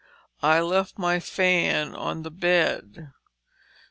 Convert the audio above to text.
I left my fan on the bed.